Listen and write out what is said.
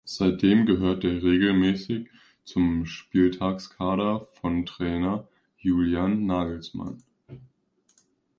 Seitdem gehörte er regelmäßig zum Spieltagskader von Trainer Julian Nagelsmann.